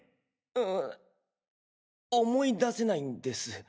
ん思い出せないんです。